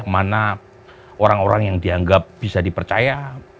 mana orang orang yang dianggap bisa dipercaya